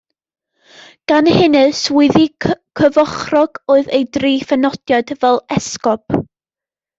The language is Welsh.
Gan hynny swyddi cyfochrog oedd ei dri phenodiad fel esgob.